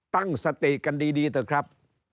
ตั้งสติกันดีเถอะครับ